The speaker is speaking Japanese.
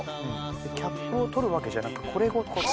キャップを取るわけじゃなくこれをこう。